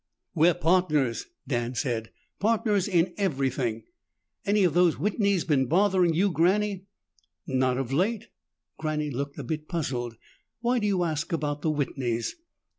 "We're partners," Dan said. "Partners in everything. Any of those Whitneys been bothering you, Granny?" "Not of late." Granny looked a bit puzzled. "Why do you ask about the Whitneys?"